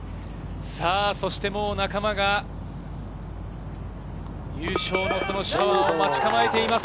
そして仲間が優勝のシャワーを待ち構えています。